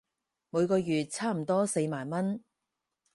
每個月差唔多四萬文